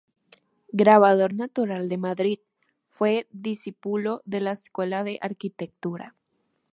Grabador natural de Madrid, fue discípulo de la Escuela de Arquitectura.